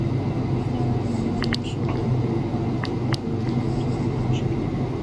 蔡尔阿姆迈因是德国巴伐利亚州的一个市镇。